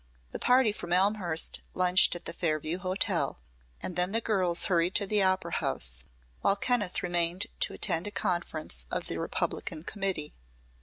The party from Elmhurst lunched at the Fairview Hotel, and then the girls hurried to the Opera House while Kenneth remained to attend a conference of the Republican Committee.